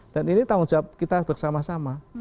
dan ini tanggung jawab kita bersama sama